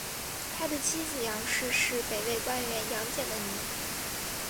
他的妻子杨氏是北魏官员杨俭的女儿。